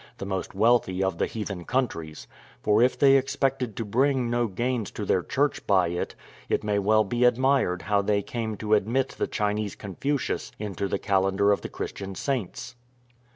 the most wealthy of the heathen countries; for if they expected to bring no gains to their Church by it, it may well be admired how they came to admit the Chinese Confucius into the calendar of the Christian saints.